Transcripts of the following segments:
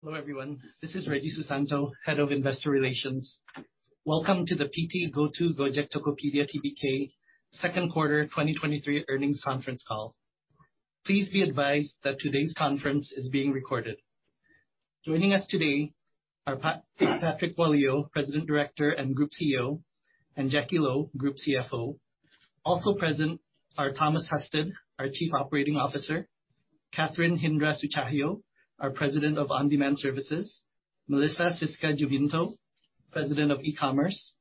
Hello, everyone. This is Reggy Susanto, Head of Investor Relations. Welcome to the PT GoTo Gojek Tokopedia Tbk Second Quarter 2023 Earnings Conference Call. Please be advised that today's conference is being recorded. Joining us today are Patrick Walujo, President, Director, and Group CEO, and Jacky Lo, Group CFO. Also present are Thomas Husted, our Chief Operating Officer, Catherine Hindra Sutjahyo, our President of On-Demand Services, Melissa Siska Juminto, President of E-commerce,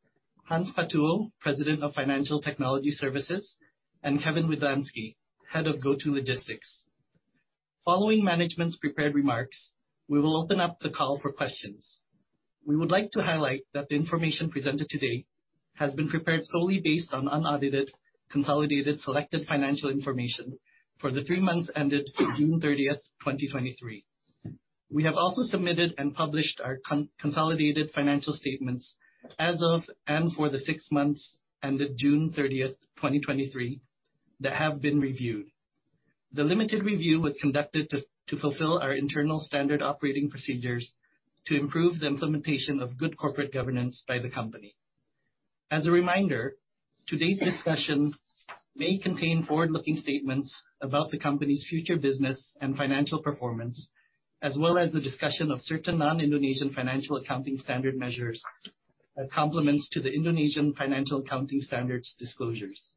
Hans Patuwo, President of Financial Technology Services, and Kevin Widlansky, Head of GoTo Logistics. Following management's prepared remarks, we will open up the call for questions. We would like to highlight that the information presented today has been prepared solely based on unaudited, consolidated, selected financial information for the three months ended June 30th, 2023. We have also submitted and published our consolidated financial statements as of and for the six months ended June 30th, 2023, that have been reviewed. The limited review was conducted to fulfill our internal standard operating procedures to improve the implementation of good corporate governance by the company. As a reminder, today's discussion may contain forward-looking statements about the company's future business and financial performance, as well as the discussion of certain non-Indonesian Financial Accounting Standard measures as complements to the Indonesian Financial Accounting Standards disclosures.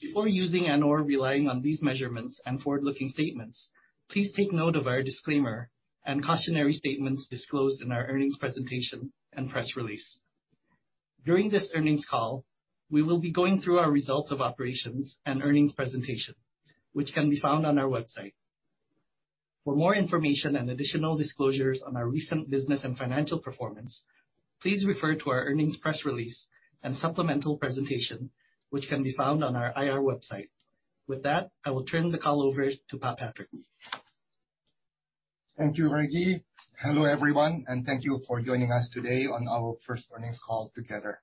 Before using and/or relying on these measurements and forward-looking statements, please take note of our disclaimer and cautionary statements disclosed in our earnings presentation and press release. During this earnings call, we will be going through our results of operations and earnings presentation, which can be found on our website. For more information and additional disclosures on our recent business and financial performance, please refer to our earnings press release and supplemental presentation, which can be found on our IR website. With that, I will turn the call over to Patrick. Thank you, Reggy. Hello, everyone, and thank you for joining us today on our first earnings call together.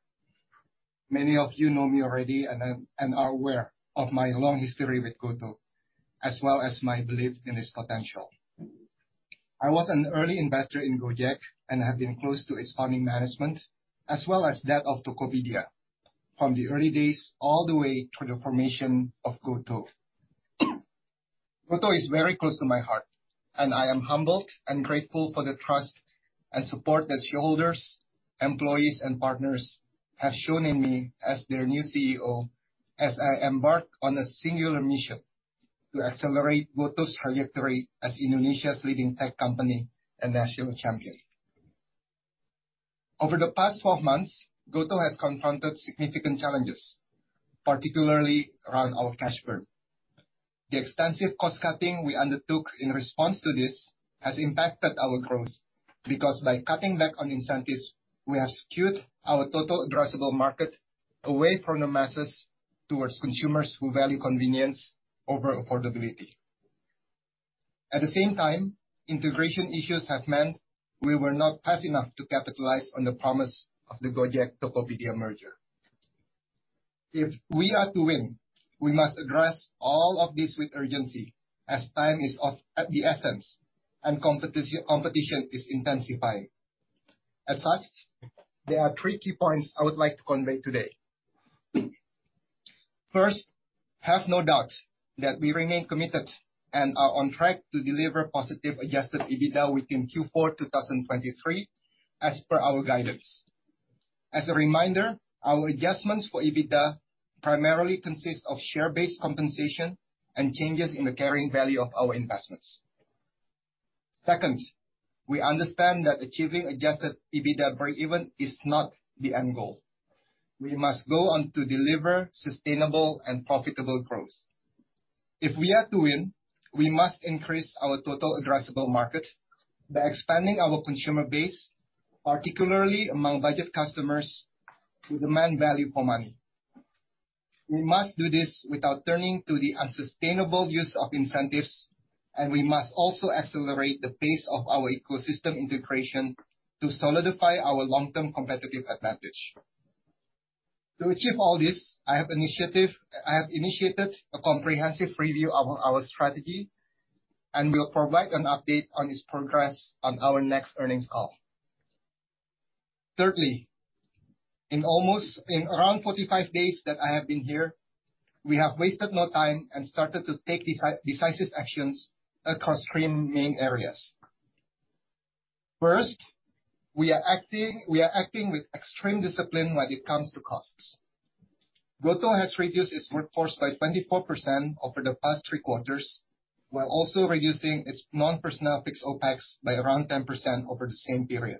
Many of you know me already and are aware of my long history with GoTo, as well as my belief in its potential. I was an early investor in Gojek, and have been close to its founding management, as well as that of Tokopedia, from the early days all the way to the formation of GoTo. GoTo is very close to my heart, and I am humbled and grateful for the trust and support that shareholders, employees, and partners have shown in me as their new CEO, as I embark on a singular mission to accelerate GoTo's trajectory as Indonesia's leading tech company and national champion. Over the past 12 months, GoTo has confronted significant challenges, particularly around our cash burn. The extensive cost-cutting we undertook in response to this has impacted our growth, because by cutting back on incentives, we have skewed our total addressable market away from the masses towards consumers who value convenience over affordability. At the same time, integration issues have meant we were not fast enough to capitalize on the promise of the Gojek-Tokopedia merger. If we are to win, we must address all of this with urgency, as time is of at the essence and competition is intensifying. As such, there are three key points I would like to convey today. First, have no doubt that we remain committed and are on track to deliver positive adjusted EBITDA within Q4 2023, as per our guidance. As a reminder, our adjustments for EBITDA primarily consist of share-based compensation and changes in the carrying value of our investments. Second, we understand that achieving adjusted EBITDA breakeven is not the end goal. We must go on to deliver sustainable and profitable growth. If we are to win, we must increase our total addressable market by expanding our consumer base, particularly among budget customers who demand value for money. We must do this without turning to the unsustainable use of incentives, and we must also accelerate the pace of our ecosystem integration to solidify our long-term competitive advantage. To achieve all this, I have initiated a comprehensive review of our strategy and will provide an update on its progress on our next earnings call. Thirdly, in around 45 days that I have been here, we have wasted no time and started to take decisive actions across three main areas. First, we are acting with extreme discipline when it comes to costs. GoTo has reduced its workforce by 24% over the past three quarters, while also reducing its non-personnel fixed OpEx by around 10% over the same period.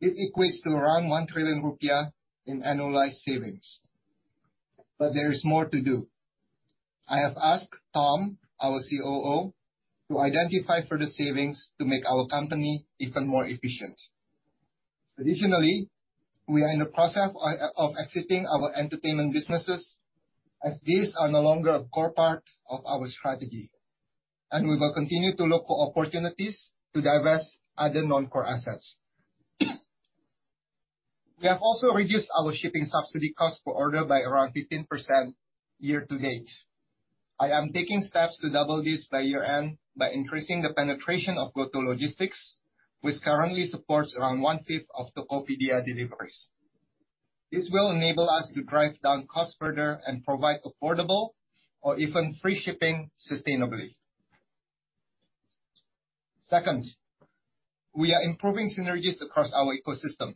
It equates to around 1 trillion rupiah in annualized savings. There is more to do. I have asked Tom, our COO, to identify further savings to make our company even more efficient. Additionally, we are in the process of exiting our entertainment businesses, as these are no longer a core part of our strategy, and we will continue to look for opportunities to divest other non-core assets. We have also reduced our shipping subsidy cost per order by around 15% year-to-date. I am taking steps to double this by year-end, by increasing the penetration of GoTo Logistics, which currently supports around one-fifth of Tokopedia deliveries. This will enable us to drive down costs further and provide affordable or even free shipping sustainably. Second, we are improving synergies across our ecosystem,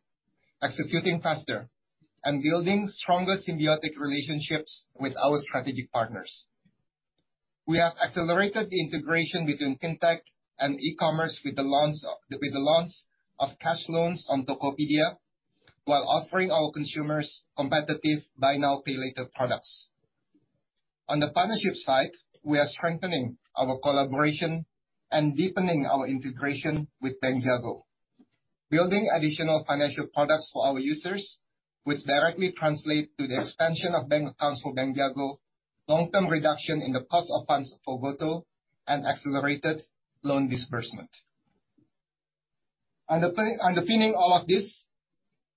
executing faster, and building stronger symbiotic relationships with our strategic partners. We have accelerated the integration between fintech and E-commerce with the launch of cash loans on Tokopedia, while offering our consumers competitive buy now, pay later products. On the partnership side, we are strengthening our collaboration and deepening our integration with Bank Jago, building additional financial products for our users, which directly translate to the expansion of bank accounts for Bank Jago, long-term reduction in the cost of funds for GoTo, and accelerated loan disbursement. Underpinning all of this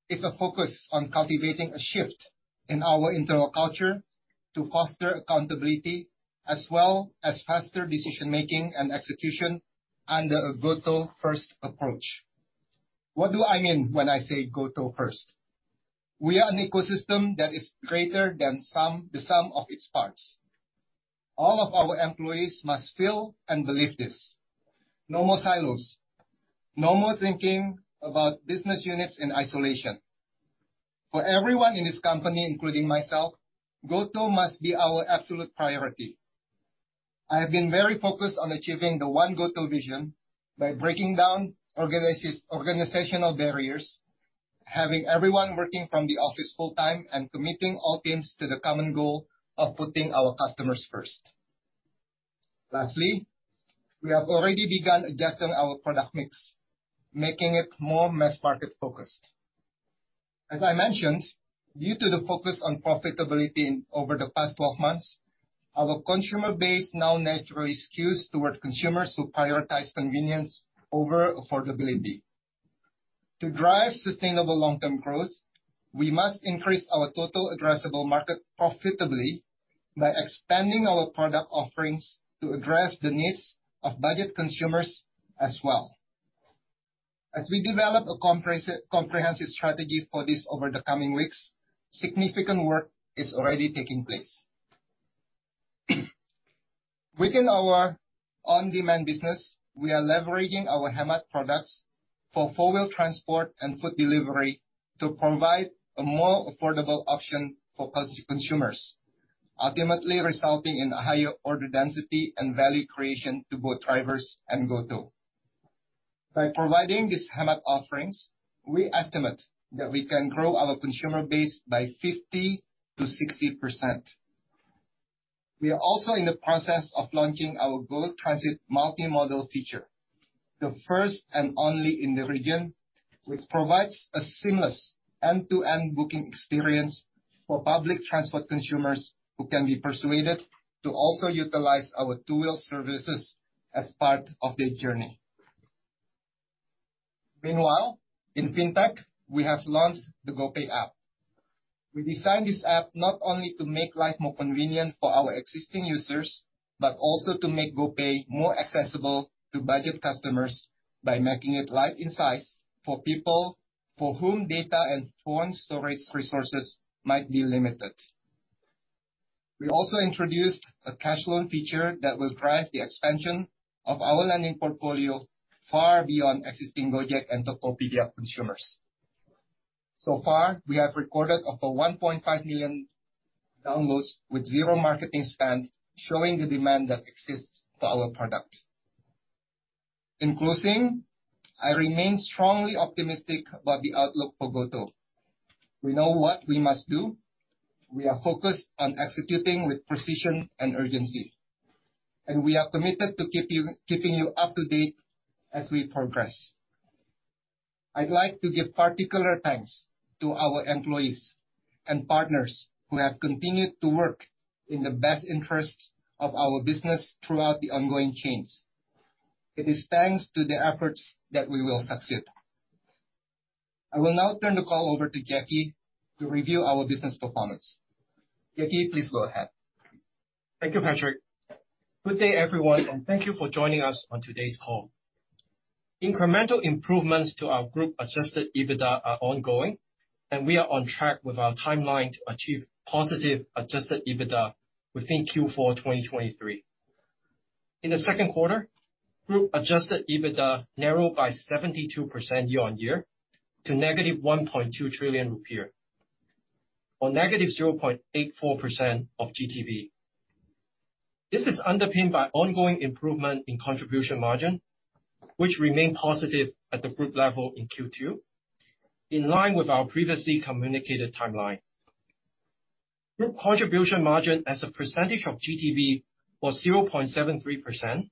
is a focus on cultivating a shift in our internal culture to foster accountability, as well as faster decision-making and execution under a GoTo First approach. What do I mean when I say GoTo First? We are an ecosystem that is greater than sum, the sum of its parts. All of our employees must feel and believe this. No more silos, no more thinking about business units in isolation. For everyone in this company, including myself, GoTo must be our absolute priority. I have been very focused on achieving the One GoTo vision by breaking down organizational barriers, having everyone working from the office full-time, and committing all teams to the common goal of putting our customers first. Lastly, we have already begun adjusting our product mix, making it more mass market-focused. As I mentioned, due to the focus on profitability over the past 12 months, our consumer base now naturally skews toward consumers who prioritize convenience over affordability. To drive sustainable long-term growth, we must increase our total addressable market profitably by expanding our product offerings to address the needs of budget consumers as well. As we develop a comprehensive, comprehensive strategy for this over the coming weeks, significant work is already taking place. Within our on-demand business, we are leveraging our Hemat products for four-wheel transport and food delivery to provide a more affordable option for cost-conscious consumers, ultimately resulting in a higher order density and value creation to both drivers and GoTo. By providing these Hemat offerings, we estimate that we can grow our consumer base by 50%-60%. We are also in the process of launching our GoTransit Multimodal feature, the first and only in the region, which provides a seamless end-to-end booking experience for public transport consumers, who can be persuaded to also utilize our two-wheel services as part of their journey. Meanwhile, in fintech, we have launched the GoPay app. We designed this app not only to make life more convenient for our existing users, but also to make GoPay more accessible to budget customers by making it light in size for people for whom data and phone storage resources might be limited. We also introduced a cash loan feature that will drive the expansion of our lending portfolio far beyond existing Gojek and Tokopedia consumers. So far, we have recorded over 1.5 million downloads with zero marketing spend, showing the demand that exists for our product. In closing, I remain strongly optimistic about the outlook for GoTo. We know what we must do. We are focused on executing with precision and urgency, and we are committed to keeping you up to date as we progress. I'd like to give particular thanks to our employees and partners who have continued to work in the best interests of our business throughout the ongoing change. It is thanks to their efforts that we will succeed. I will now turn the call over to Jacky to review our business performance. Jacky, please go ahead. Thank you, Patrick. Good day, everyone, and thank you for joining us on today's call. Incremental improvements to our group adjusted EBITDA are ongoing. We are on track with our timeline to achieve positive adjusted EBITDA within Q4 2023. In the second quarter, group adjusted EBITDA narrowed by 72% year-on-year to IDR -1.2 trillion, or -0.84% of GTV. This is underpinned by ongoing improvement in contribution margin, which remained positive at the group level in Q2, in line with our previously communicated timeline. Group contribution margin as a percentage of GTV was 0.73%,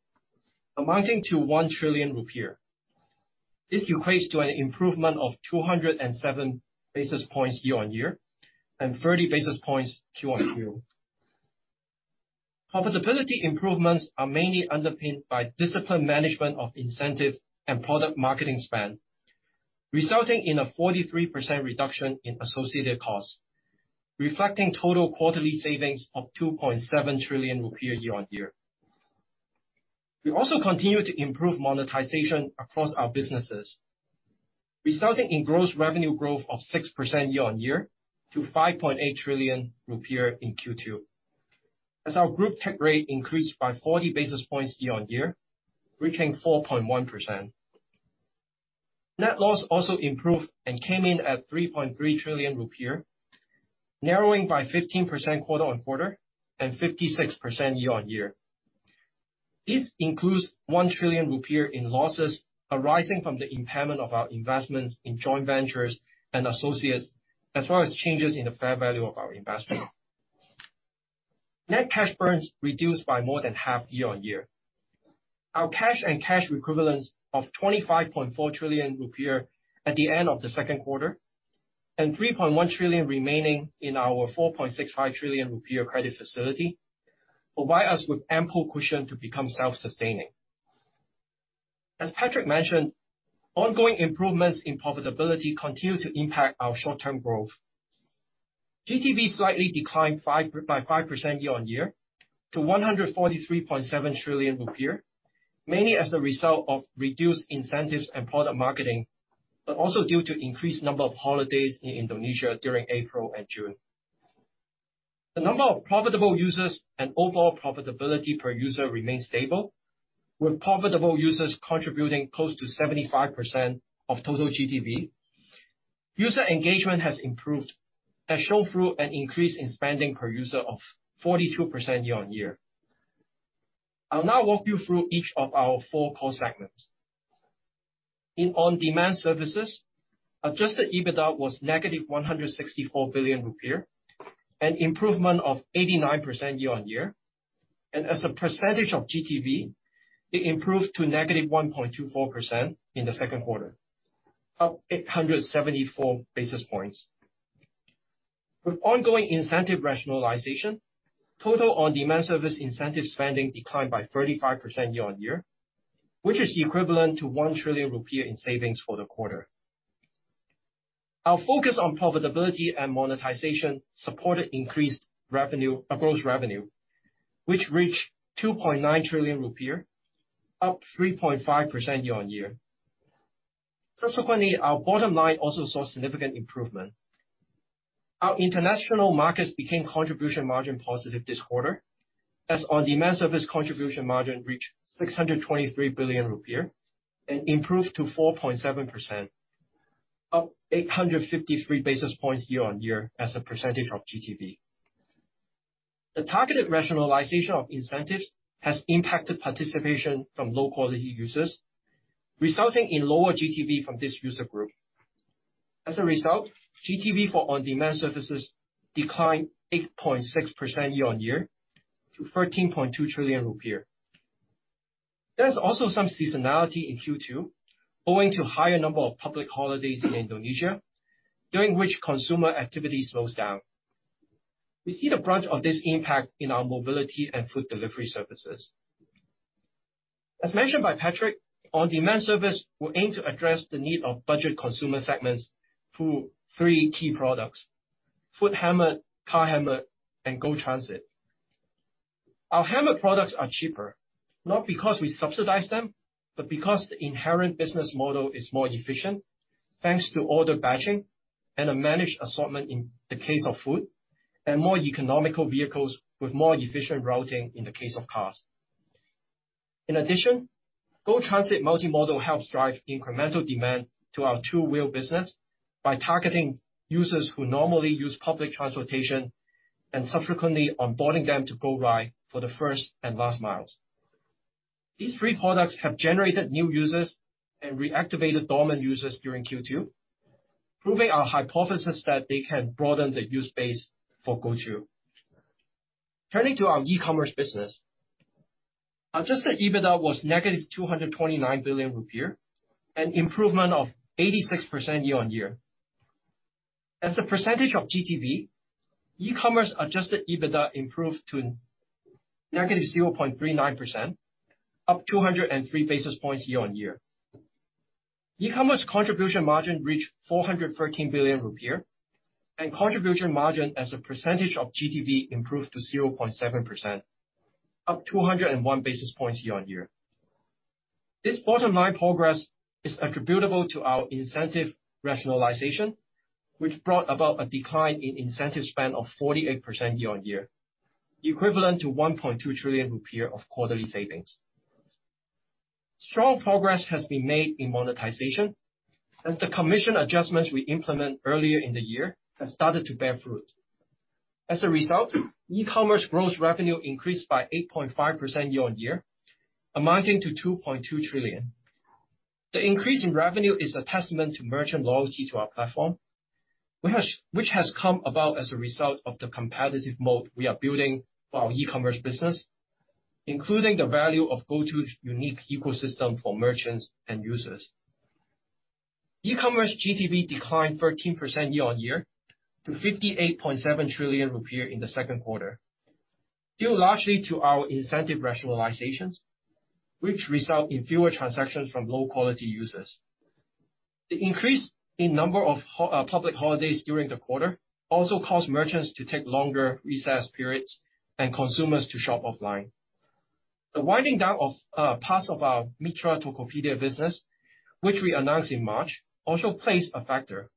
amounting to 1 trillion rupiah. This equates to an improvement of 207 basis points year-on-year, and 30 basis points Q-on-Q. Profitability improvements are mainly underpinned by disciplined management of incentive and product marketing spend, resulting in a 43% reduction in associated costs, reflecting total quarterly savings of 2.7 trillion rupiah year-on-year. We also continue to improve monetization across our businesses, resulting in gross revenue growth of 6% year-on-year to 5.8 trillion rupiah in Q2, as our group take rate increased by 40 basis points year-on-year, reaching 4.1%. Net loss also improved and came in at 3.3 trillion rupiah, narrowing by 15% quarter-on-quarter and 56% year-on-year. This includes 1 trillion rupiah in losses arising from the impairment of our investments in joint ventures and associates, as well as changes in the fair value of our investments. Net cash burns reduced by more than half year-on-year. Our cash and cash equivalents of 25.4 trillion rupiah at the end of the second quarter, and 3.1 trillion remaining in our 4.65 trillion rupiah credit facility, provide us with ample cushion to become self-sustaining. As Patrick mentioned, ongoing improvements in profitability continue to impact our short-term growth. GTV slightly declined by 5% year-on-year to 143.7 trillion rupiah, mainly as a result of reduced incentives and product marketing, but also due to increased number of holidays in Indonesia during April and June. The number of profitable users and overall profitability per user remains stable, with profitable users contributing close to 75% of total GTV. User engagement has improved, as shown through an increase in spending per user of 42% year-on-year. I'll now walk you through each of our four core segments. In on-demand services, adjusted EBITDA was negative 164 billion rupiah, an improvement of 89% year-on-year. As a percentage of GTV, it improved to negative 1.24% in the second quarter, up 874 basis points. With ongoing incentive rationalization, total on-demand service incentive spending declined by 35% year-on-year, which is equivalent to 1 trillion rupiah in savings for the quarter. Our focus on profitability and monetization supported increased revenue, gross revenue, which reached 2.9 trillion rupiah, up 3.5% year-on-year. Subsequently, our bottom line also saw significant improvement. Our international markets became contribution margin positive this quarter, as on-demand service contribution margin reached 623 billion rupiah and improved to 4.7%, up 853 basis points year-on-year as a percentage of GTV. The targeted rationalization of incentives has impacted participation from low-quality users, resulting in lower GTV from this user group. As a result, GTV for on-demand services declined 8.6% year-on-year to IDR 13.2 trillion. There's also some seasonality in Q2, owing to higher number of public holidays in Indonesia, during which consumer activity slows down. We see the brunt of this impact in our mobility and food delivery services. As mentioned by Patrick, on-demand service will aim to address the need of budget consumer segments through three key products: GoFood Hemat, GoCar Hemat, and GoTransit. Our Hemat products are cheaper, not because we subsidize them, but because the inherent business model is more efficient, thanks to order batching and a managed assortment in the case of food, and more economical vehicles with more efficient routing in the case of cars. In addition, GoTransit Multimodal helps drive incremental demand to our two-wheel business by targeting users who normally use public transportation and subsequently onboarding them to GoRide for the first and last miles. These three products have generated new users and reactivated dormant users during Q2, proving our hypothesis that they can broaden the user base for GoTo. Turning to our E-commerce business, adjusted EBITDA was -229 billion rupiah, an improvement of 86% year-on-year. As a percentage of GTV, E-commerce adjusted EBITDA improved to negative 0.39%, up 203 basis points year-on-year. E-commerce contribution margin reached 413 billion rupiah, and contribution margin as a percentage of GTV improved to 0.7%, up 201 basis points year-on-year. This bottom line progress is attributable to our incentive rationalization, which brought about a decline in incentive spend of 48% year-on-year, equivalent to 1.2 trillion rupiah of quarterly savings. Strong progress has been made in monetization, as the commission adjustments we implemented earlier in the year have started to bear fruit. As a result, E-commerce gross revenue increased by 8.5% year-on-year, amounting to 2.2 trillion. The increase in revenue is a testament to merchant loyalty to our platform, which has come about as a result of the competitive mode we are building for our E-commerce business, including the value of GoTo's unique ecosystem for merchants and users. E-commerce GTV declined 13% year-on-year to 58.7 trillion rupiah in the second quarter, due largely to our incentive rationalizations, which result in fewer transactions from low-quality users. The increase in number of public holidays during the quarter also caused merchants to take longer recess periods and consumers to shop offline. The winding down of parts of our Mitra Tokopedia business, which we announced in March, also plays a factor.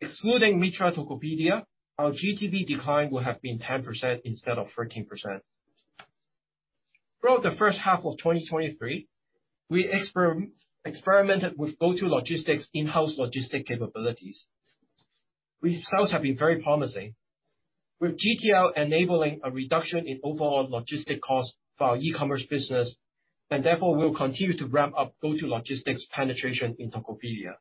Excluding Mitra Tokopedia, our GTV decline would have been 10% instead of 13%. Throughout the first half of 2023, we experimented with GoTo Logistics, in-house logistic capabilities. Results have been very promising, with GTL enabling a reduction in overall logistic costs for our E-commerce business, and therefore, we'll continue to ramp up GoTo Logistics penetration in Tokopedia.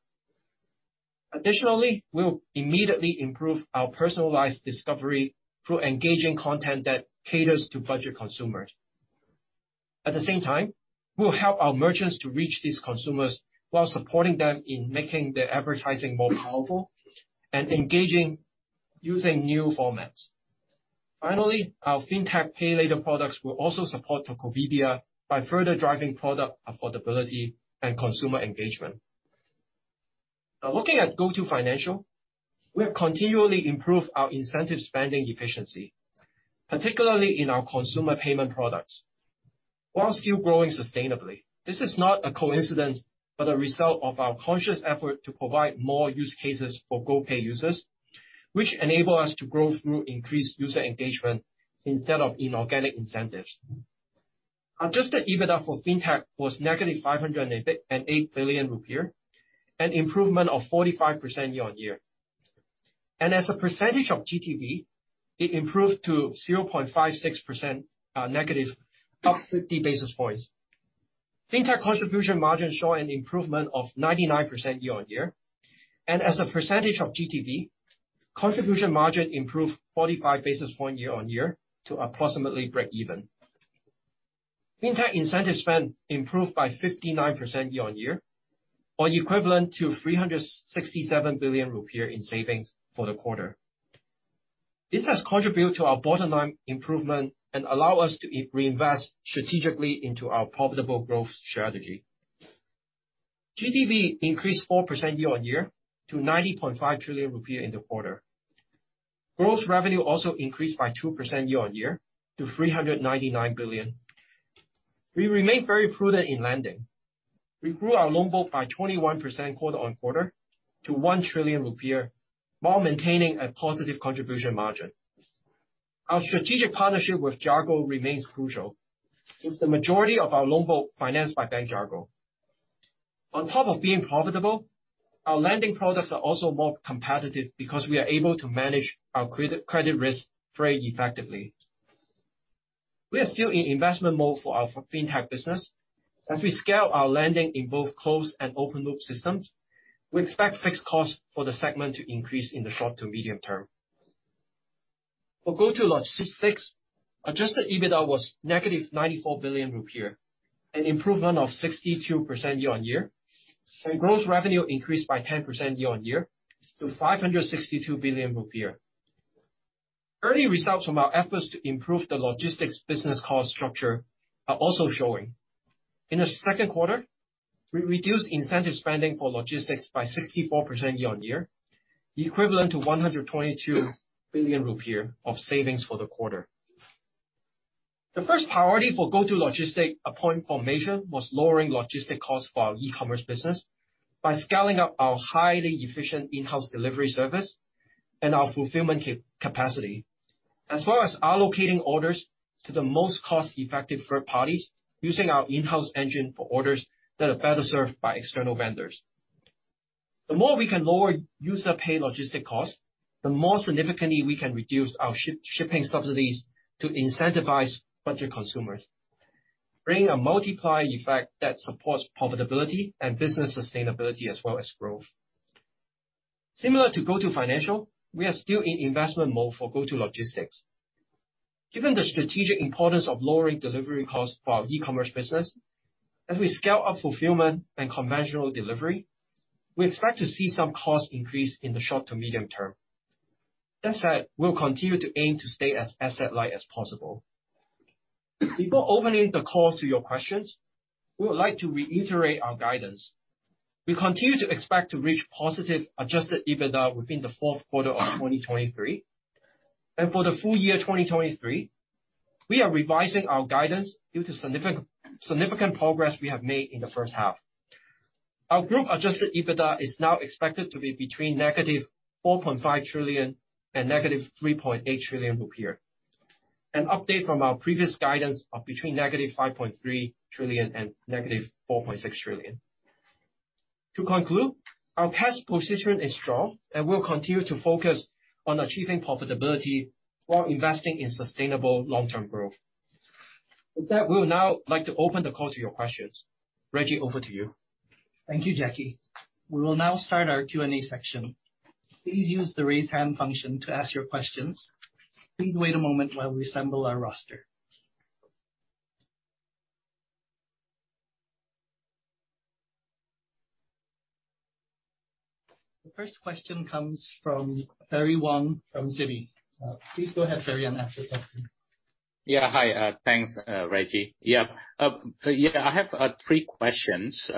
Additionally, we'll immediately improve our personalized discovery through engaging content that caters to budget consumers. At the same time, we'll help our merchants to reach these consumers while supporting them in making their advertising more powerful and engaging, using new formats. Finally, our fintech pay later products will also support Tokopedia by further driving product affordability and consumer engagement. Now, looking at GoTo Financial, we have continually improved our incentive spending efficiency, particularly in our consumer payment products, while still growing sustainably. This is not a coincidence, but a result of our conscious effort to provide more use cases for GoPay users, which enable us to grow through increased user engagement instead of inorganic incentives. Adjusted EBITDA for fintech was -508 billion rupiah, an improvement of 45% year-on-year. As a percentage of GTV, it improved to -0.56%, up 50 basis points. Fintech contribution margin show an improvement of 99% year-on-year. As a percentage of GTV, contribution margin improved 45 basis point year-on-year to approximately breakeven. Fintech incentive spend improved by 59% year-on-year, or equivalent to 367 billion rupiah in savings for the quarter. This has contributed to our bottom line improvement and allow us to reinvest strategically into our profitable growth strategy. GTV increased 4% year-on-year to 90.5 trillion rupiah in the quarter. Gross revenue also increased by 2% year-on-year to 399 billion. We remain very prudent in lending. We grew our loan book by 21% quarter-on-quarter to 1 trillion rupiah, while maintaining a positive contribution margin. Our strategic partnership with Jago remains crucial, with the majority of our loan book financed by Bank Jago. On top of being profitable, our lending products are also more competitive because we are able to manage our credit risk very effectively. We are still in investment mode for our fintech business. As we scale our lending in both closed and open loop systems, we expect fixed costs for the segment to increase in the short to medium term. For GoTo Logistics, adjusted EBITDA was negative 94 billion rupiah, an improvement of 62% year-on-year, and gross revenue increased by 10% year-on-year to 562 billion rupiah. Early results from our efforts to improve the logistics business cost structure are also showing. In the second quarter, we reduced incentive spending for logistics by 64% year-on-year, equivalent to 122 billion rupiah of savings for the quarter. The first priority for GoTo Logistics upon formation was lowering logistic costs for our E-commerce business by scaling up our highly efficient in-house delivery service and our fulfillment capacity, as well as allocating orders to the most cost-effective third parties, using our in-house engine for orders that are better served by external vendors. The more we can lower user-pay logistic costs, the more significantly we can reduce our shipping subsidies to incentivize budget consumers, bringing a multiplier effect that supports profitability and business sustainability, as well as growth. Similar to GoTo Financial, we are still in investment mode for GoTo Logistics. Given the strategic importance of lowering delivery costs for our E-commerce business, as we scale up fulfillment and conventional delivery, we expect to see some cost increase in the short to medium term. That said, we'll continue to aim to stay as asset light as possible. Before opening the call to your questions, we would like to reiterate our guidance. We continue to expect to reach positive adjusted EBITDA within Q4 2023. For the full year 2023, we are revising our guidance due to significant progress we have made in the first half. Our group adjusted EBITDA is now expected to be between negative 4.5 trillion and negative IDR 3.8 trillion, an update from our previous guidance of between negative 5.3 trillion and negative 4.6 trillion. To conclude, our cash position is strong, and we'll continue to focus on achieving profitability while investing in sustainable long-term growth. With that, we would now like to open the call to your questions. Reggy, over to you. Thank you, Jacky. We will now start our Q&A section. Please use the raise hand function to ask your questions. Please wait a moment while we assemble our roster. The first question comes from Ferry Wong from Citi. Please go ahead, Ferry, and ask your question. Yeah. Hi, thanks, Reggy. Yeah, I have three questions.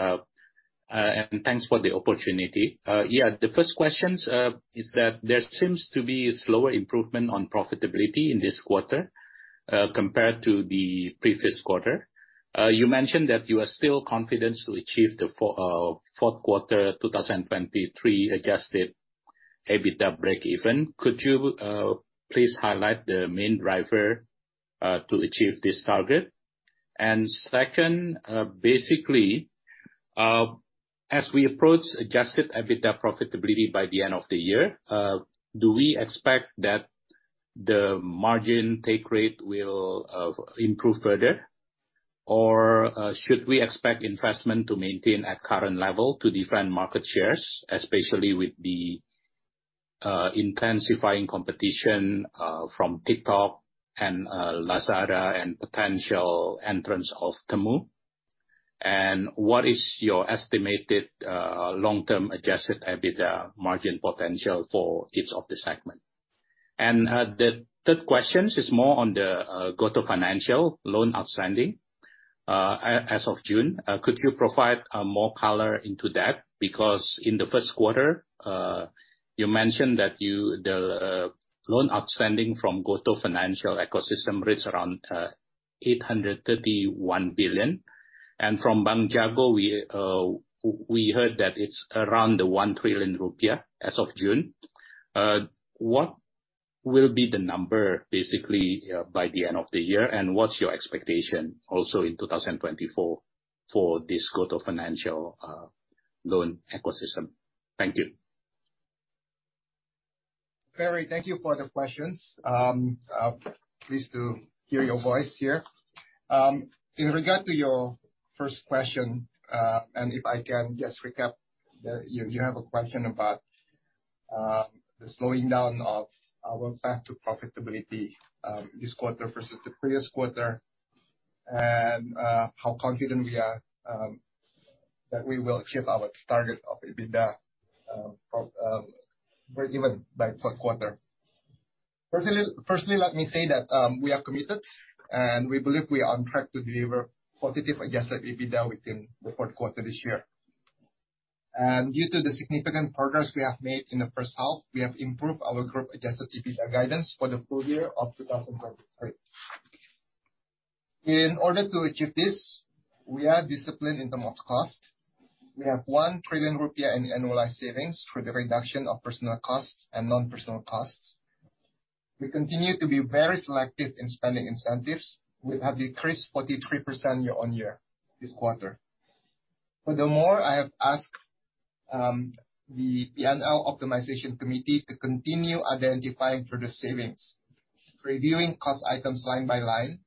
Thanks for the opportunity. Yeah, the first questions is that there seems to be a slower improvement on profitability in this quarter, compared to the previous quarter. You mentioned that you are still confident to achieve the Q4 2023 adjusted EBITDA breakeven. Could you please highlight the main driver to achieve this target? Second, basically, as we approach adjusted EBITDA profitability by the end of the year, do we expect that the margin take rate will improve further? Should we expect investment to maintain at current level to defend market shares, especially with the intensifying competition from TikTok and Lazada and potential entrants of Temu? What is your estimated long-term adjusted EBITDA margin potential for each of the segment? The third questions is more on the GoTo Financial loan outstanding as of June. Could you provide more color into that? Because in the first quarter, you mentioned that the loan outstanding from GoTo Financial ecosystem reached around 831 billion. From Bank Jago, we heard that it's around 1 trillion rupiah as of June. What will be the number, basically, by the end of the year, and what's your expectation also in 2024 for this GoTo Financial loan ecosystem? Thank you. Ferry, thank you for the questions. pleased to hear your voice here. In regard to your first question, and if I can just recap, the, you, you have a question about the slowing down of our path to profitability, this quarter versus the previous quarter, and how confident we are that we will achieve our target of EBITDA pro- breakeven by fourth quarter. Firstly, firstly, let me say that we are committed, and we believe we are on track to deliver positive adjusted EBITDA within the fourth quarter this year. Due to the significant progress we have made in the first half, we have improved our group-adjusted EBITDA guidance for the full year of 2023. In order to achieve this, we are disciplined in terms of cost. We have 1 trillion rupiah in annualized savings through the reduction of personal costs and non-personal costs. We continue to be very selective in spending incentives. We have decreased 43% year-on-year this quarter. Furthermore, I have asked the P&L optimization committee to continue identifying further savings, reviewing cost items line by line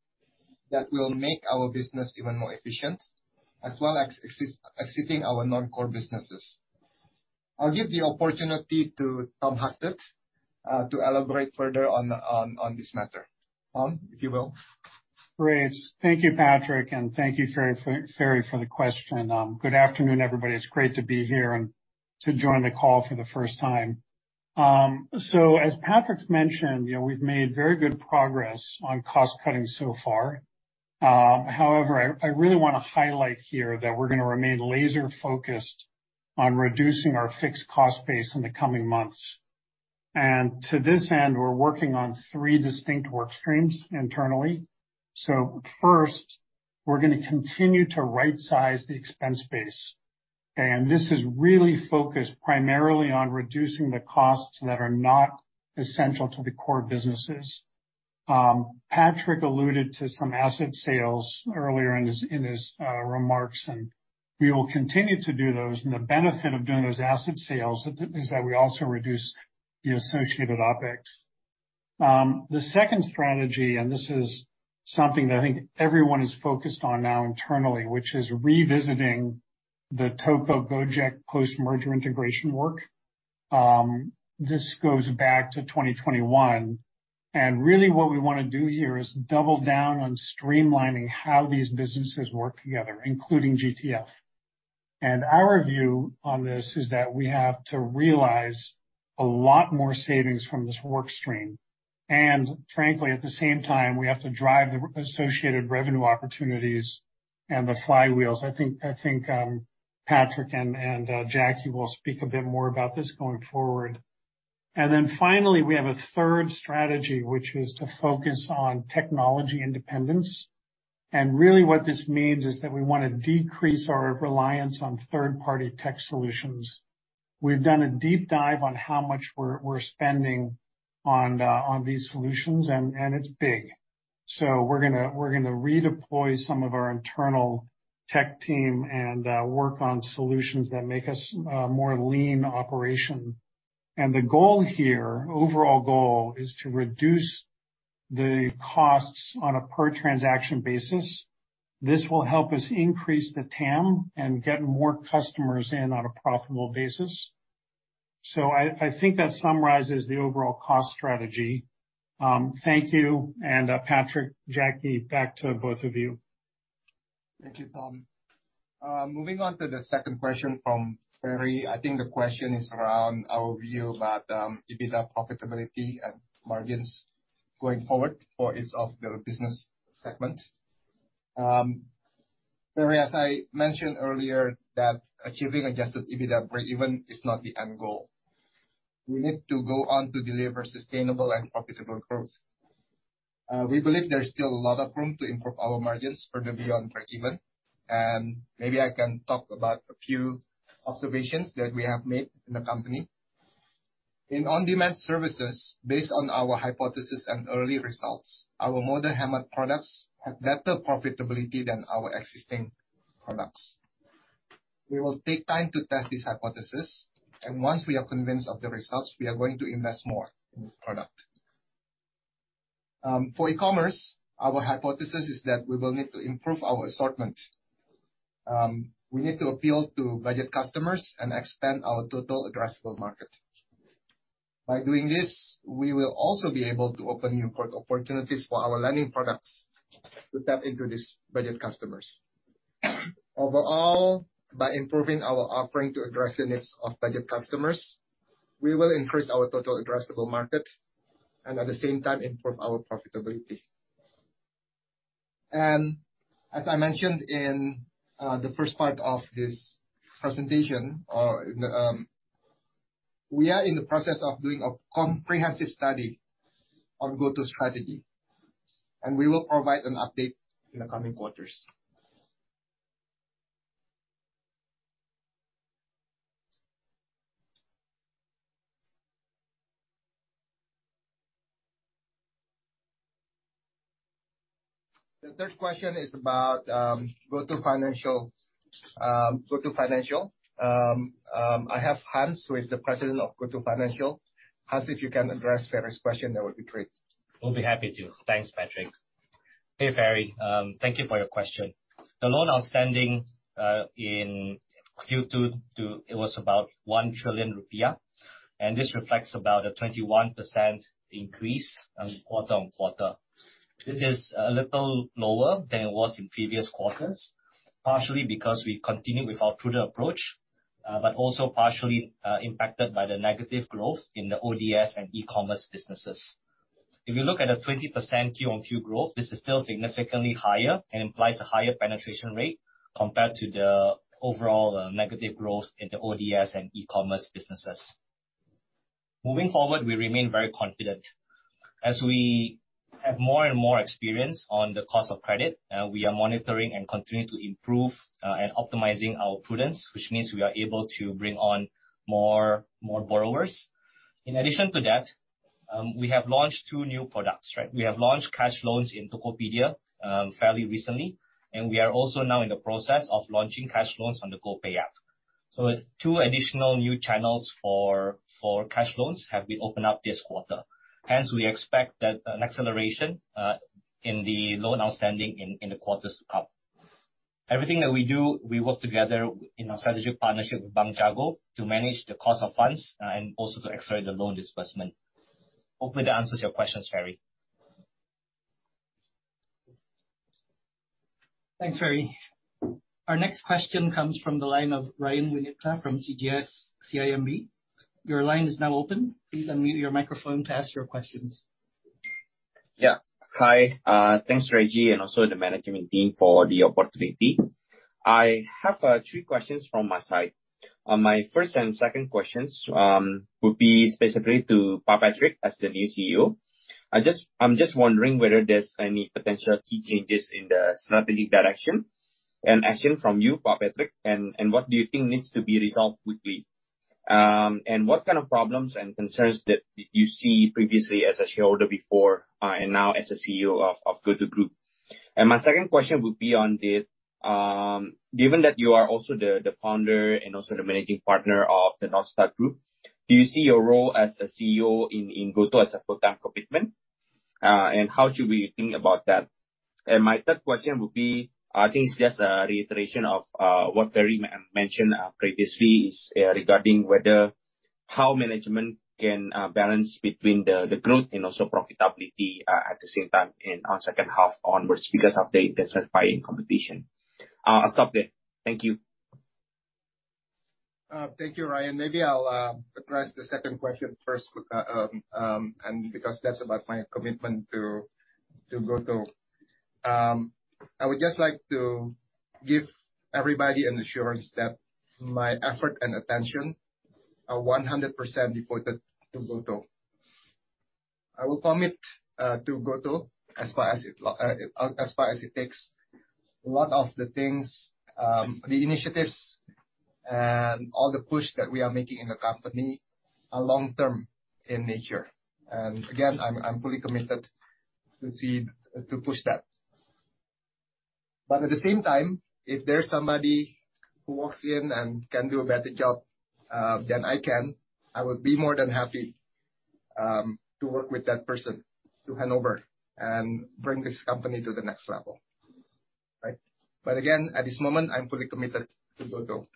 that will make our business even more efficient, as well as exiting our non-core businesses. I'll give the opportunity to Tom Husted to elaborate further on this matter. Tom, if you will. Great. Thank you, Patrick, and thank you, Ferry, for the question. Good afternoon, everybody. It's great to be here and to join the call for the first time. As Patrick's mentioned, you know, we've made very good progress on cost cutting so far. However, I, I really wanna highlight here that we're gonna remain laser focused on reducing our fixed cost base in the coming months. To this end, we're working on three distinct work streams internally. First, we're gonna continue to rightsize the expense base, and this is really focused primarily on reducing the costs that are not essential to the core businesses. Patrick alluded to some asset sales earlier in his, in his remarks, and we will continue to do those. The benefit of doing those asset sales is that we also reduce the associated OpEx. The second strategy, this is something that I think everyone is focused on now internally, which is revisiting the Toko-Gojek post-merger integration work. This goes back to 2021, really what we wanna do here is double down on streamlining how these businesses work together, including GTF. Our view on this is that we have to realize a lot more savings from this work stream. Frankly, at the same time, we have to drive the associated revenue opportunities and the flywheels. I think, I think, Patrick and Jacky will speak a bit more about this going forward. Then finally, we have a third strategy, which is to focus on technology independence. Really what this means is that we wanna decrease our reliance on third-party tech solutions. We've done a deep dive on how much we're, we're spending on, on these solutions, and, and it's big. We're gonna, we're gonna redeploy some of our internal tech team and work on solutions that make us more lean operation. The goal here, overall goal, is to reduce the costs on a per transaction basis. This will help us increase the TAM and get more customers in on a profitable basis. I, I think that summarizes the overall cost strategy. Thank you, and, Patrick, Jacky, back to both of you. Thank you, Tom. Moving on to the second question from Ferry. I think the question is around our view about EBITDA profitability and margins going forward for each of the business segments. Ferry, as I mentioned earlier, that achieving adjusted EBITDA breakeven is not the end goal. We need to go on to deliver sustainable and profitable growth. We believe there's still a lot of room to improve our margins further beyond breakeven, and maybe I can talk about a few observations that we have made in the company. In on-demand services, based on our hypothesis and early results, our Hemat products have better profitability than our existing products. We will take time to test this hypothesis, and once we are convinced of the results, we are going to invest more in this product. For E-commerce, our hypothesis is that we will need to improve our assortment. We need to appeal to budget customers and expand our total addressable market. By doing this, we will also be able to open new opportunities for our lending products to tap into these budget customers. Overall, by improving our offering to address the needs of budget customers, we will increase our total addressable market, and at the same time improve our profitability. As I mentioned in the first part of this presentation, or in... We are in the process of doing a comprehensive study on GoTo strategy, and we will provide an update in the coming quarters. The third question is about GoTo Financial, GoTo Financial. I have Hans, who is the President of GoTo Financial. Hans, if you can address Ferry's question, that would be great. Will be happy to. Thanks, Patrick. Hey, Ferry, thank you for your question. The loan outstanding in Q2, it was about 1 trillion rupiah. This reflects about a 21% increase on quarter-on-quarter. This is a little lower than it was in previous quarters, partially because we continue with our prudent approach, also partially impacted by the negative growth in the ODS and E-commerce businesses. If you look at a 20% Q-on-Q growth, this is still significantly higher and implies a higher penetration rate compared to the overall negative growth in the ODS and E-commerce businesses. Moving forward, we remain very confident. As we have more and more experience on the cost of credit, we are monitoring and continuing to improve and optimizing our prudence, which means we are able to bring on more, more borrowers. In addition to that, we have launched two new products, right? We have launched cash loans in Tokopedia, fairly recently, and we are also now in the process of launching cash loans on the GoPay app. Two additional new channels for, for cash loans have been opened up this quarter. Hence, we expect that an acceleration in the loan outstanding in the quarters to come. Everything that we do, we work together in a strategic partnership with Bank Jago to manage the cost of funds, and also to accelerate the loan disbursement. Hopefully, that answers your questions, Ferry. Thanks, Ferry. Our next question comes from the line of Ryan Winipta from CGS-CIMB. Your line is now open. Please unmute your microphone to ask your questions. Yeah. Hi, thanks, Reggy, and also the management team for the opportunity. I have three questions from my side. My first and ssecond questions would be specifically to Patrick, as the new CEO. I'm just wondering whether there's any potential key changes in the strategic direction and action from you, Patrick, and what do you think needs to be resolved quickly? What kind of problems and concerns did you see previously as a shareholder before, and now as a CEO of GoTo Group? My second question would be on the given that you are also the founder and also the managing partner of the Northstar Group, do you see your role as a CEO in GoTo as a full-time commitment? How should we think about that? My third question would be, I think it's just a reiteration of what Ferry mentioned previously, is regarding whether how management can balance between the growth and also profitability at the same time in our second half onwards, because of the intensified competition. I'll stop there. Thank you. Thank you, Ryan. Maybe I'll address the second question first. Because that's about my commitment to GoTo. I would just like to give everybody an assurance that my effort and attention are 100% devoted to GoTo. I will commit to GoTo as far as it lo- as far as it takes. A lot of the things, the initiatives and all the push that we are making in the company are long-term in nature. Again, I'm, I'm fully committed to see to push that. At the same time, if there's somebody who walks in and can do a better job than I can, I would be more than happy to work with that person, to hand over and bring this company to the next level. Right. Again, at this moment, I'm fully committed to GoTo.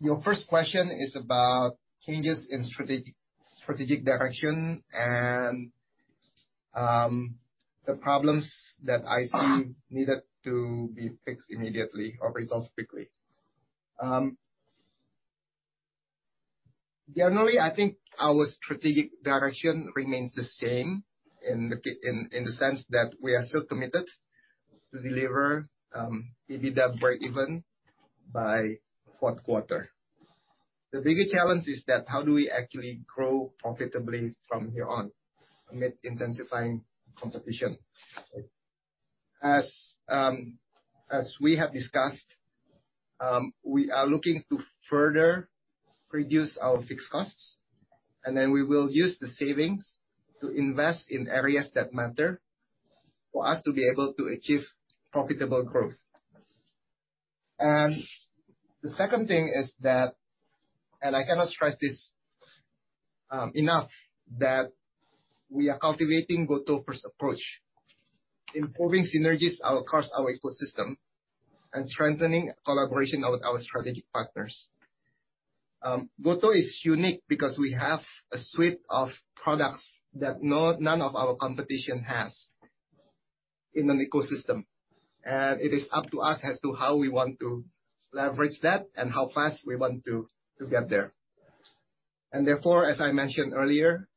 Your first question is about changes in strategic, strategic direction and the problems that I see needed to be fixed immediately or resolved quickly. Generally, I think our strategic direction remains the same in the c- in, in the sense that we are still committed to deliver EBITDA breakeven by fourth quarter. The bigger challenge is that how do we actually grow profitably from here on amid intensifying competition? As, as we have discussed, we are looking to further reduce our fixed costs, and then we will use the savings to invest in areas that matter for us to be able to achieve profitable growth. The second thing is that, and I cannot stress this, enough, that we are cultivating GoTo First approach, improving synergies across our ecosystem and strengthening collaboration with our strategic partners. GoTo is unique because we have a suite of products that none of our competition has in an ecosystem, and it is up to us as to how we want to leverage that and how fast we want to, to get there. Therefore, as I mentioned earlier,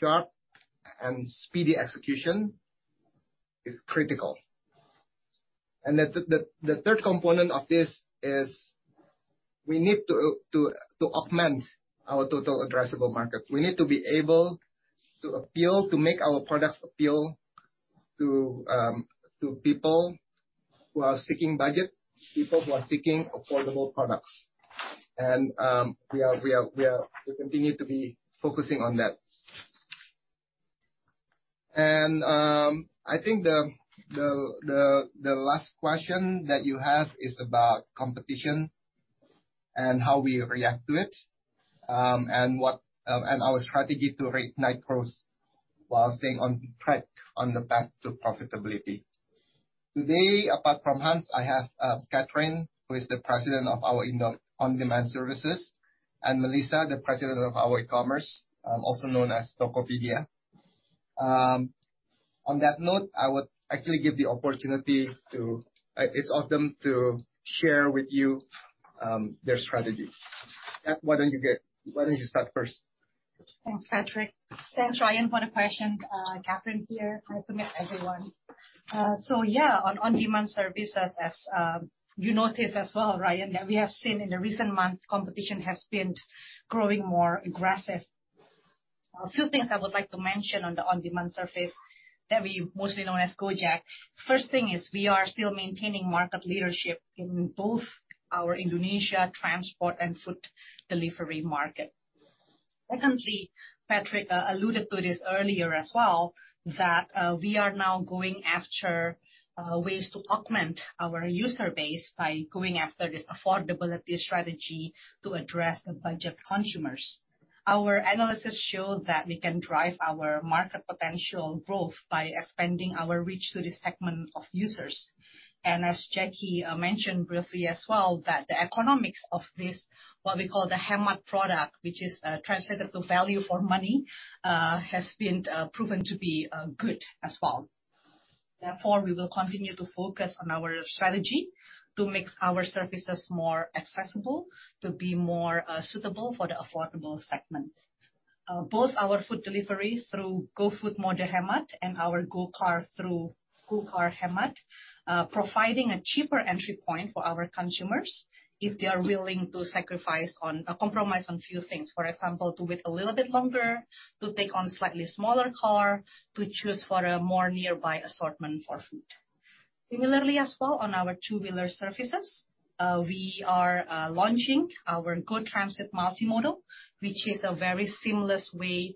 that sharp and speedy execution is critical. The third component of this is we need to augment our total addressable market. We need to be able to appeal, to make our products appeal to, to people who are seeking budget, people who are seeking affordable products. We continue to be focusing on that. I think the, the, the, the last question that you have is about competition and how we react to it, and our strategy to reignite growth while staying on track on the path to profitability. Today, apart from Hans, I have Catherine, who is the President of our Indo On-Demand Services, and Melissa, the President of our E-commerce, also known as Tokopedia. On that note, I would actually give the opportunity to each of them to share with you their strategy. Cat, why don't you start first? Thanks, Patrick. Thanks, Ryan, for the question. Catherine here. Nice to meet everyone. Yeah, on on-demand services, as you noticed as well, Ryan, that we have seen in the recent months, competition has been growing more aggressive. A few things I would like to mention on the on-demand services, that we mostly known as Gojek. First thing is we are still maintaining market leadership in both our Indonesia transport and food delivery market. Secondly, Patrick alluded to this earlier as well, that we are now going after ways to augment our user base by going after this affordability strategy to address the budget consumers. Our analysis showed that we can drive our market potential growth by expanding our reach to this segment of users. As Jacky mentioned briefly as well, that the economics of this, what we call the Hemat product, which is translated to value for money, has been proven to be good as well. Therefore, we will continue to focus on our strategy to make our services more accessible, to be more suitable for the affordable segment. Both our food delivery through GoFood Mode Hemat and our GoCar through GoCar Hemat, providing a cheaper entry point for our consumers if they are willing to sacrifice on or compromise on few things. For example, to wait a little bit longer, to take on a slightly smaller car, to choose for a more nearby assortment for food. Similarly, as well, on our two-wheeler services, we are launching our GoTransit Multimodal, which is a very seamless way,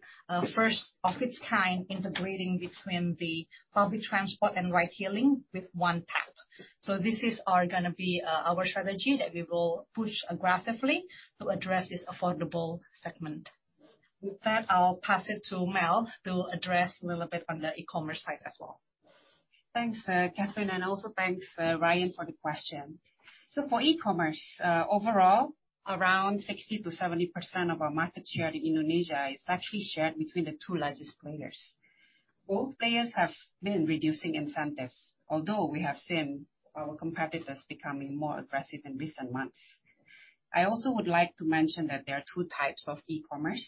first of its kind, integrating between the public transport and ride-hailing with one tap. This is gonna be our strategy that we will push aggressively to address this affordable segment. With that, I'll pass it to Mel to address a little bit on the E-commerce side as well. Thanks, Catherine, and also thanks, Ryan, for the question. For E-commerce, overall, around 60%-70% of our market share in Indonesia is actually shared between the two largest players. Both players have been reducing incentives, although we have seen our competitors becoming more aggressive in recent months. I also would like to mention that there are two types of E-commerce.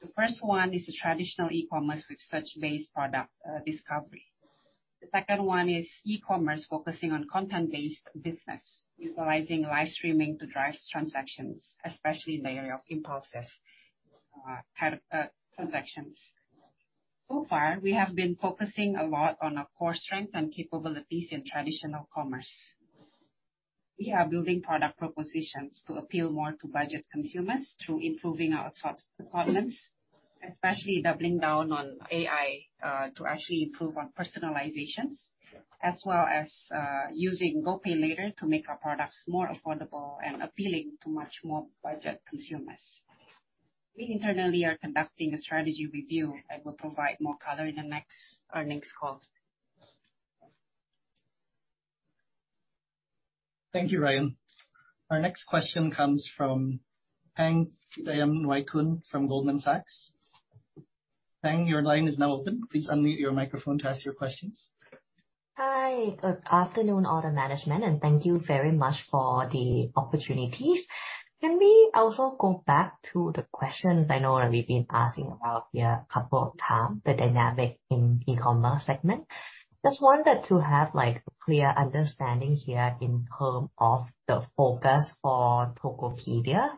The first one is the traditional E-commerce with search-based product discovery. The second one is E-commerce focusing on content-based business, utilizing live streaming to drive transactions, especially in the area of impulsive, kind of, transactions. Far, we have been focusing a lot on our core strength and capabilities in traditional commerce. We are building product propositions to appeal more to budget consumers through improving our top requirements, especially doubling down on AI to actually improve on personalizations, as well as using GoPayLater to make our products more affordable and appealing to much more budget consumers. We internally are conducting a strategy review, and we'll provide more color in the next earnings call. Thank you, Ryan. Our next question comes from Pang Vittayaamnuaykoon from Goldman Sachs. Pang, your line is now open. Please unmute your microphone to ask your questions. Hi, good afternoon, all the management, and thank you very much for the opportunities. Can we also go back to the questions I know that we've been asking about here a couple of times, the dynamic in E-commerce segment? Just wanted to have, like, clear understanding here in term of the focus for Tokopedia.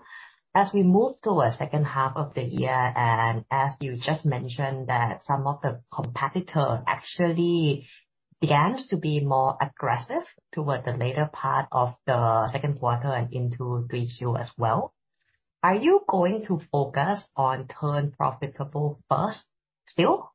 As we move to a second half of the year, and as you just mentioned, that some of the competitor actually begins to be more aggressive toward the later part of the second quarter and into Q2 as well. Are you going to focus on turn profitable first still,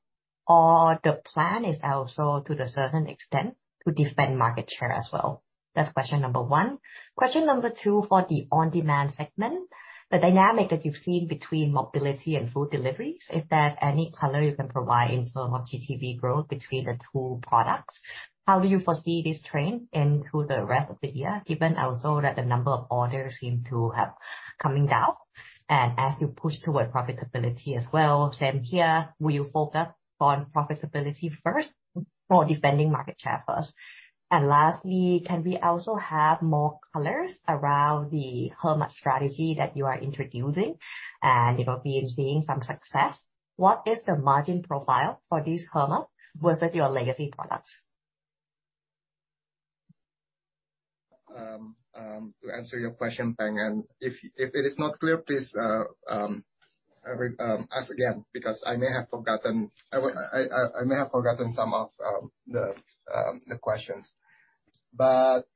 or the plan is also, to the certain extent, to defend market share as well? That's question number one. Question number two, for the on-demand segment, the dynamic that you've seen between mobility and food deliveries, if there's any color you can provide in terms of GTV growth between the two products, how do you foresee this trend into the rest of the year, given also that the number of orders seem to have coming down? As you push toward profitability as well, same here, will you focus on profitability first or defending market share first? Lastly, can we also have more colors around the Hemat strategy that you are introducing, and if you've been seeing some success, what is the margin profile for this Hemat versus your legacy products? To answer your question, Pang, and if it is not clear, please ask again, because I may have forgotten... I may have forgotten some of the questions.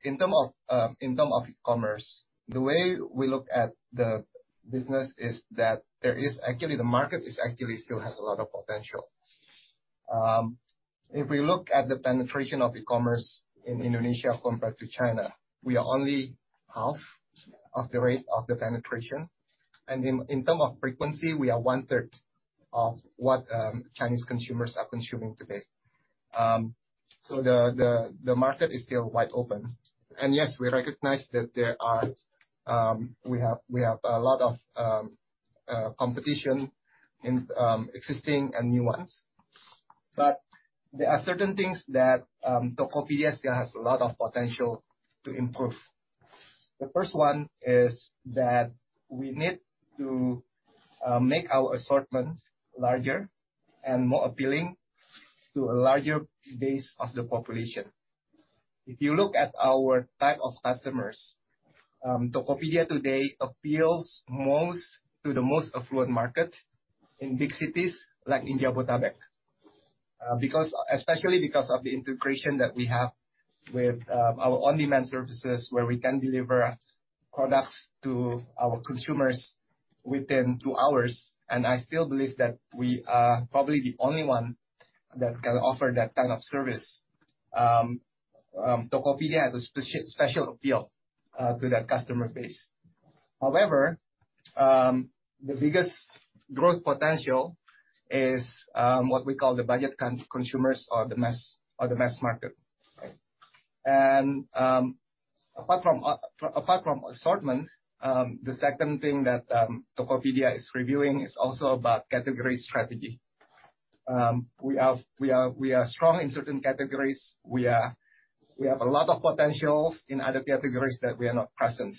In terms of, in terms of E-commerce, the way we look at the business is that there is actually, the market is actually still has a lot of potential. If we look at the penetration of E-commerce in Indonesia compared to China, we are only half of the rate of the penetration, and in, in terms of frequency, we are one-third of what Chinese consumers are consuming today. The, the, the market is still wide open. Yes, we recognize that there are, we have, we have a lot of competition in existing and new ones. There are certain things that Tokopedia still has a lot of potential to improve. The first one is that we need to make our assortment larger and more appealing to a larger base of the population. If you look at our type of customers, Tokopedia today appeals most to the most affluent market in big cities like Indonesia, because especially because of the integration that we have with our on-demand services, where we can deliver products to our consumers within two hours, and I still believe that we are probably the only one that can offer that kind of service. Tokopedia has a special appeal to that customer base. However, the biggest growth potential is what we call the budget consumers or the mass, or the mass market, right? Apart from, apart from assortment, the second thing that Tokopedia is reviewing is also about category strategy. We have, we are, we are strong in certain categories. We have a lot of potentials in other categories that we are not present.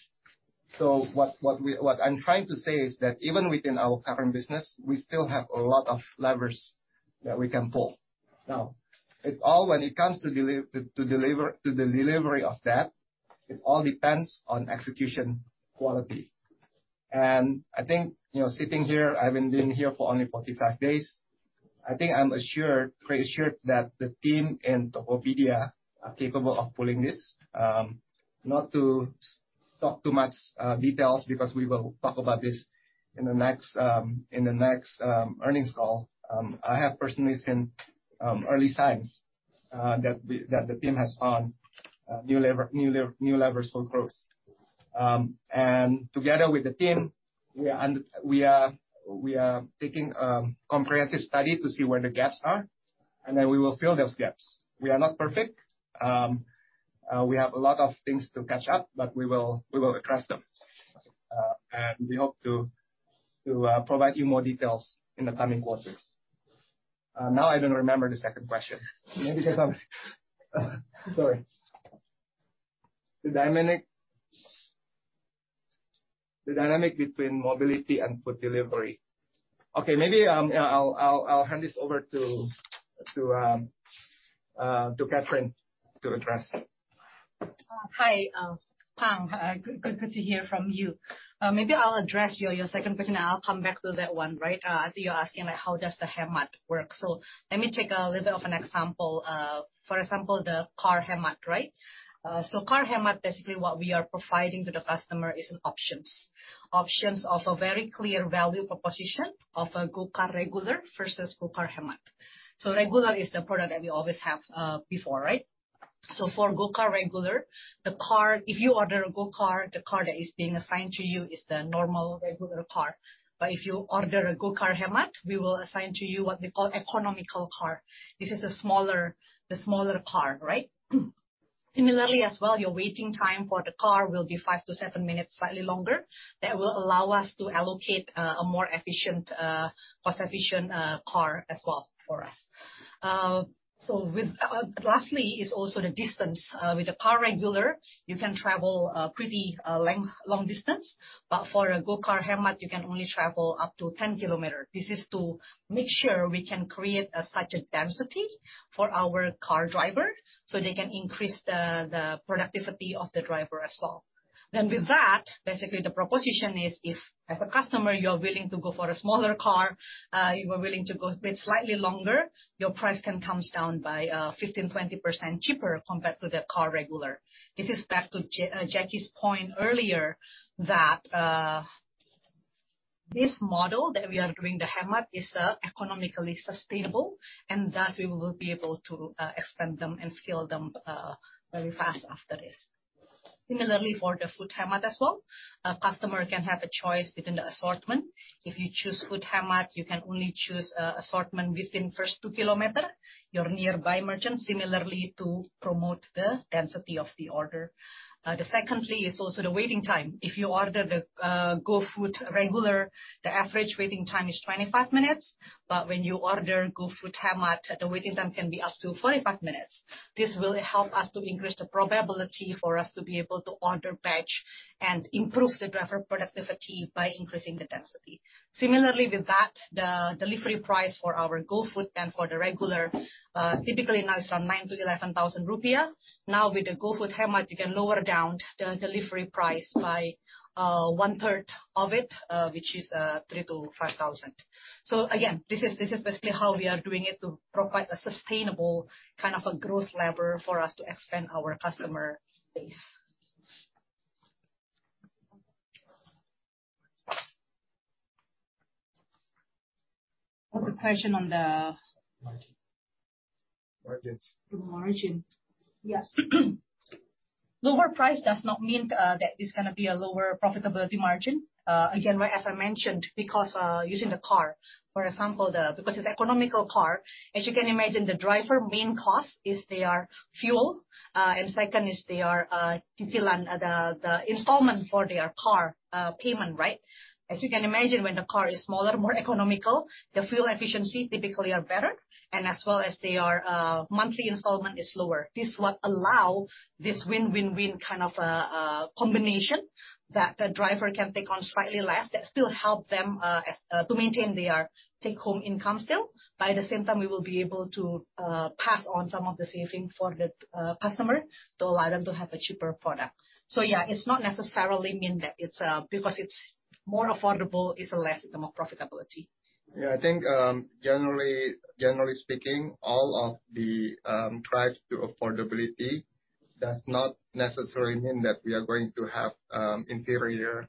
What, what we, what I'm trying to say is that even within our current business, we still have a lot of levers that we can pull. Now, it's all when it comes to deliver, to the delivery of that, it all depends on execution quality. I think, you know, sitting here, I've been being here for only 45 days, I think I'm assured, pretty assured that the team in Tokopedia are capable of pulling this. Not to talk too much details, because we will talk about this in the next, in the next earnings call. I have personally seen early signs that we, that the team has found new lever, new lever, new levers for growth. Together with the team, We are, we are taking comprehensive study to see where the gaps are, and then we will fill those gaps. We are not perfect. We have a lot of things to catch up, but we will, we will address them. We hope to, to provide you more details in the coming quarters. Now, I don't remember the second question. Maybe because Sorry. The dynamic, the dynamic between mobility and food delivery. Okay. Maybe, yeah, I'll hand this over to, to, to Catherine to address. Hi, Pang. Good, good to hear from you. Maybe I'll address your, your second question, and I'll come back to that one, right? I think you're asking, how does the Hemat work? Let me take a little bit of an example. For example, the car Hemat, right? Car Hemat, basically, what we are providing to the customer is an options, options of a very clear value proposition of a GoCar Regular versus GoCar Hemat. Regular is the product that we always have, before, right? For GoCar Regular, the car- if you order a GoCar, the car that is being assigned to you is the normal, regular car. If you order a GoCar Hemat, we will assign to you what we call economical car. This is a smaller, the smaller car, right? Similarly, as well, your waiting time for the car will be five to seven minutes, slightly longer. That will allow us to allocate, a more efficient, cost-efficient, car as well for us. Lastly, is also the distance. With the car regular, you can travel, pretty, length, long distance, for a GoCar Hemat, you can only travel up to 10 kilometer. This is to make sure we can create, such a density for our car driver, so they can increase the, the productivity of the driver as well. With that, basically, the proposition is if, as a customer, you're willing to go for a smaller car, you are willing to go wait slightly longer, your price then comes down by, 15%-20% cheaper compared to the car regular. This is back to Jacky's point earlier, that this model that we are doing, the Hemat, is economically sustainable, and thus, we will be able to expand them and scale them very fast after this. Similarly, for the food Hemat as well, a customer can have a choice within the assortment. If you choose food Hemat, you can only choose assortment within first two km, your nearby merchant, similarly, to promote the density of the order. The secondly is also the waiting time. If you order the GoFood Regular, the average waiting time is 25 minutes, but when you order GoFood Hemat, the waiting time can be up to 45 minutes. This will help us to increase the probability for us to be able to order batch and improve the driver productivity by increasing the density. Similarly, with that, the delivery price for our GoFood than for the regular, typically now is from 9,000-11,000 rupiah. Now, with the GoFood Hemat, you can lower down the delivery price by 1/3 of it, which is 3,000-5,000. Again, this is, this is basically how we are doing it to provide a sustainable kind of a growth lever for us to expand our customer base. I have a question on the- Margins. The margin. Yes. Lower price does not mean that it's gonna be a lower profitability margin. Again, where, as I mentioned, because using the car, for example, Because it's economical car, as you can imagine, the driver main cost is their fuel, and second is their cicilan, the, the installment for their car payment, right? As you can imagine, when the car is smaller, more economical, the fuel efficiency typically are better, and as well as their monthly installment is lower. This what allow this win-win-win kind of a, a combination, that the driver can take on slightly less, that still help them to maintain their take-home income still. At the same time, we will be able to pass on some of the saving for the customer, to allow them to have a cheaper product. yeah, it's not necessarily mean that it's, because it's more affordable, it's a less, the more profitability. Yeah, I think, generally, generally speaking, all of the drives to affordability does not necessarily mean that we are going to have inferior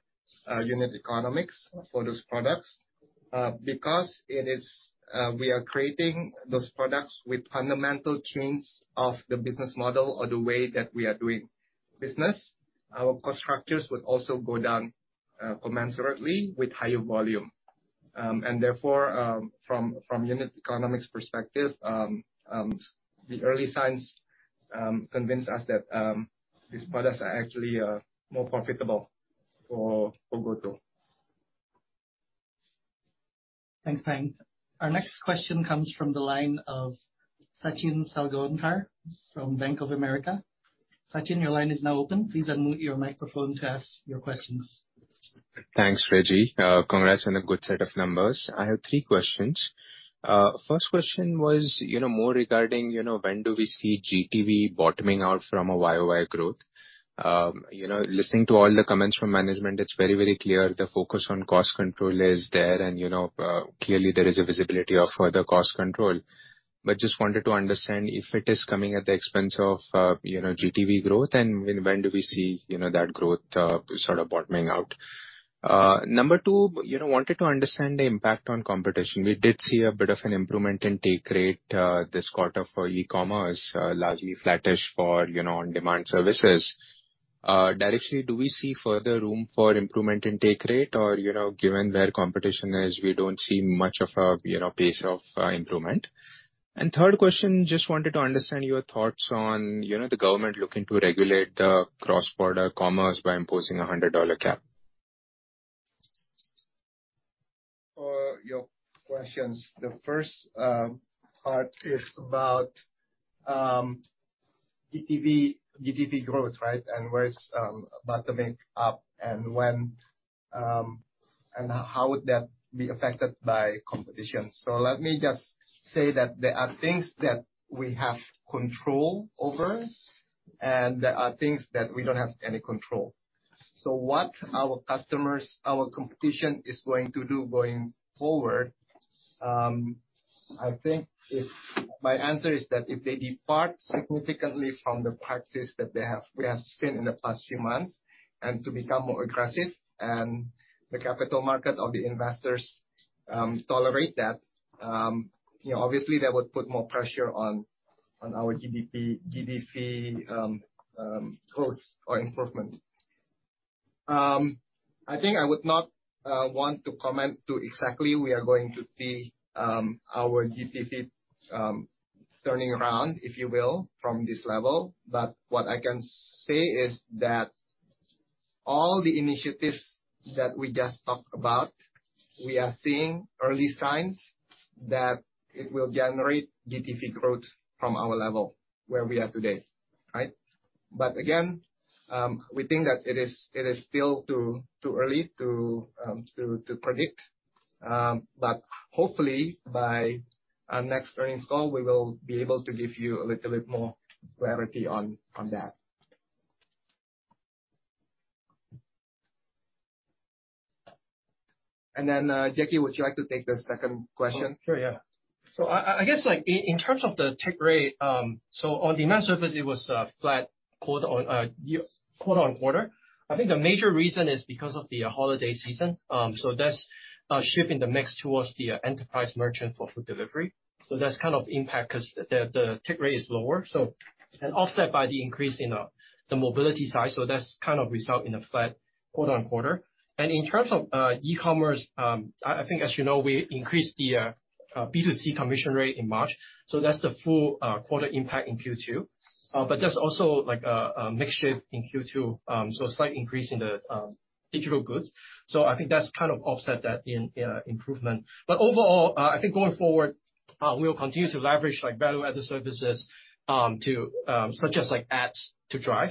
unit economics for those products. Because it is, we are creating those products with fundamental change of the business model or the way that we are doing business, our cost structures would also go down commensurately with higher volume. Therefore, from, from unit economics perspective, the early signs convince us that these products are actually more profitable for, for GoTo. Thanks, Pang. Our next question comes from the line of Sachin Salgaonkar from Bank of America. Sachin, your line is now open. Please unmute your microphone to ask your questions. Thanks, Reggy. Congrats on a good set of numbers. I have three questions. First question was, you know, more regarding, you know, when do we see GTV bottoming out from a YOY growth? You know, listening to all the comments from management, it's very, very clear the focus on cost control is there, and, you know, clearly there is a visibility of further cost control. Just wanted to understand if it is coming at the expense of, you know, GTV growth, and when, when do we see, you know, that growth, sort of bottoming out? Number two, you know, wanted to understand the impact on competition. We did see a bit of an improvement in take rate this quarter for E-commerce, largely flattish for, you know, on-demand services. Directly, do we see further room for improvement in take rate? Or, you know, given where competition is, we don't see much of a, you know, pace of improvement. Third question, just wanted to understand your thoughts on, you know, the government looking to regulate the cross-border commerce by imposing a $100 cap? For your questions, the first part is about GTV, GTV growth, right? Where it's bottoming up, and when, and how would that be affected by competition? Let me just say that there are things that we have control over, and there are things that we don't have any control. What our customers, our competition is going to do going forward, I think if... My answer is that if they depart significantly from the practice that they have, we have seen in the past few months, and to become more aggressive, and the capital market or the investors tolerate that, you know, obviously, that would put more pressure on our GTV, growth or improvement. I think I would not want to comment to exactly we are going to see our GTV turning around, if you will, from this level. What I can say is that all the initiatives that we just talked about, we are seeing early signs that it will generate GTV growth from our level where we are today, right? Again, we think that it is, it is still too, too early to, to predict. Hopefully by our next earnings call, we will be able to give you a little bit more clarity on, on that. Then, Jacky, would you like to take the second question? Sure, yeah. In terms of the take rate, on-demand service, it was flat quarter-on-quarter. I think the major reason is because of the holiday season. That's shifting the mix towards the enterprise merchant for food delivery. That's kind of impact, because the take rate is lower, so and offset by the increase in the mobility side, so that's kind of result in a flat quarter-on-quarter. In terms of E-commerce, we increased the B2C commission rate in March, so that's the full quarter impact in Q2. There's also a mix shift in Q2, slight increase in the digital goods. I think that's kind of offset that in, in improvement. Overall, I think going forward, we'll continue to leverage, like, value-added services to, such as, like, ads to drive.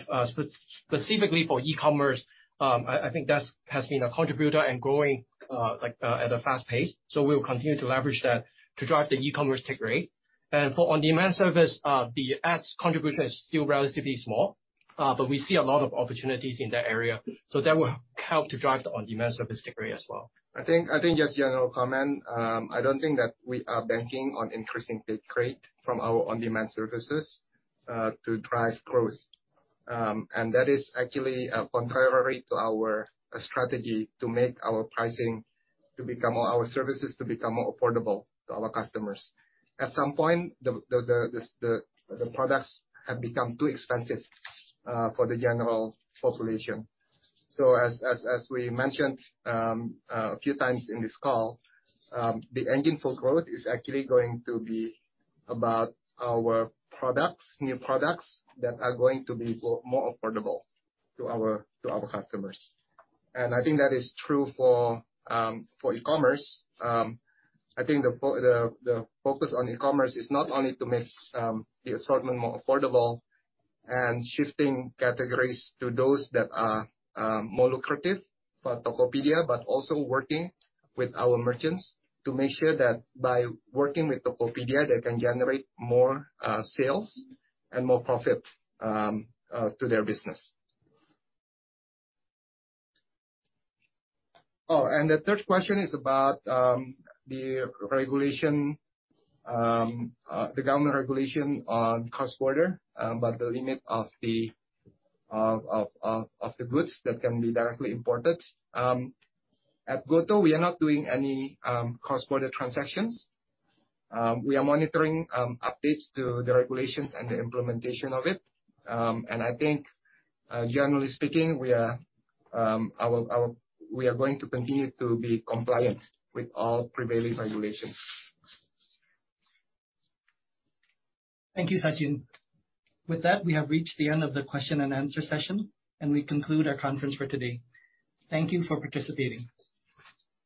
Specifically for E-commerce, I, I think that's has been a contributor and growing, like, at a fast pace, so we'll continue to leverage that to drive the E-commerce take rate. For on-demand service, the ads contribution is still relatively small, but we see a lot of opportunities in that area, so that will help to drive the on-demand service take rate as well. I think, I think just general comment, I don't think that we are banking on increasing take rate from our on-demand services to drive growth. That is actually contrary to our strategy to make our pricing to become more... Our services to become more affordable to our customers. At some point, the products have become too expensive for the general population. As we mentioned a few times in this call, the engine for growth is actually going to be about our products, new products, that are going to be more affordable to our customers. I think that is true for E-commerce. I think the focus on E-commerce is not only to make the assortment more affordable and shifting categories to those that are more lucrative for Tokopedia, but also working with our merchants to make sure that by working with Tokopedia, they can generate more sales and more profit to their business. The third question is about the regulation, the government regulation on cross-border, about the limit of the goods that can be directly imported. At GoTo, we are not doing any cross-border transactions. We are monitoring updates to the regulations and the implementation of it. I think, generally speaking, we are going to continue to be compliant with all prevailing regulations. Thank you, Sachin. With that, we have reached the end of the question-and-answer session, and we conclude our conference for today. Thank you for participating.